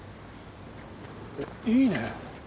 いいね。